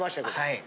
はい。